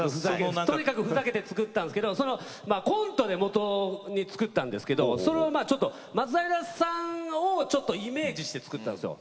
とにかくふざけて作ったんですけどコントをもとに作ったんですけどそれを松平さんをイメージして作ったんですよ。